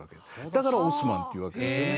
だから「オスマン」というわけですよね。